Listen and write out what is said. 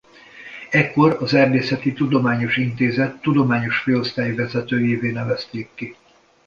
Ekkor az Erdészeti Tudományos Intézet tudományos főosztályvezetőjévé nevezték ki.